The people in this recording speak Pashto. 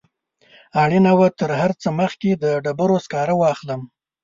اړینه وه تر هر څه مخکې د ډبرو سکاره واخلم.